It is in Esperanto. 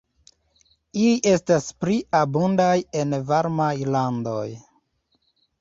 Ili estas pli abundaj en varmaj landoj.